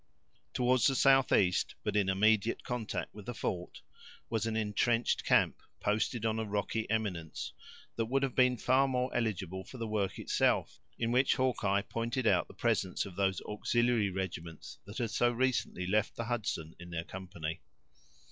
Toward the southeast, but in immediate contact with the fort, was an entrenched camp, posted on a rocky eminence, that would have been far more eligible for the work itself, in which Hawkeye pointed out the presence of those auxiliary regiments that had so recently left the Hudson in their company.